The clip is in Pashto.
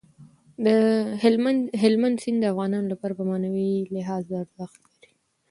هلمند سیند د افغانانو لپاره په معنوي لحاظ ارزښت لري.